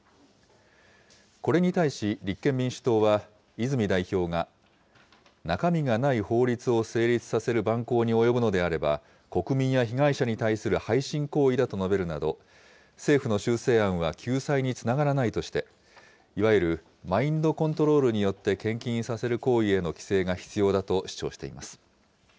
これに対し立憲民主党は、泉代表が、中身がない法律を成立させる蛮行に及ぶのであれば、国民に対する背信行為だと述べるなど、政府の修正案は救済につながらないとして、いわゆる、マインドコントロールによって、献金させる行為への規制が必要だと主張しています。